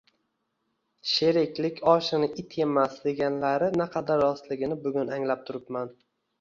Sheriklik oshni it yemas, deganlari naqadar rostligini bugun anglab turibman